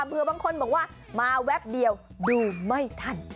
เพื่อบางคนบอกว่ามาแวบเดียวดูไม่ทัน